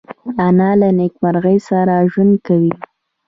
انا له نیکمرغۍ سره ژوند کوي